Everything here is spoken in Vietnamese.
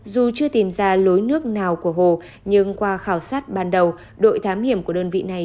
dù chưa tìm ra lối nước nào của hồ nhưng qua khảo sát ban đầu đội thám hiểm của đơn vị này